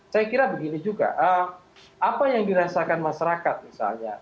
saya kira begini juga apa yang dirasakan masyarakat misalnya